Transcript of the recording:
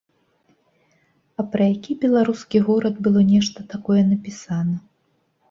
А пра які беларускі горад было нешта такое напісана?